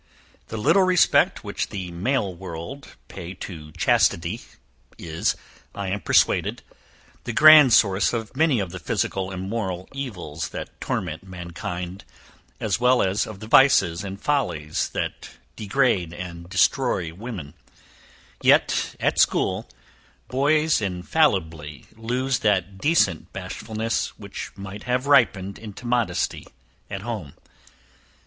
The little respect which the male world pay to chastity is, I am persuaded, the grand source of many of the physical and moral evils that torment mankind, as well as of the vices and follies that degrade and destroy women; yet at school, boys infallibly lose that decent bashfulness, which might have ripened into modesty at home.